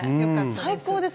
最高です。